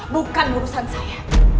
bukan urusan saya